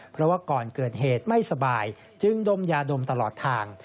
เพราะว่าก่อนเกิดเหตุไม่สบายจึงดมยาดมตลอดทาง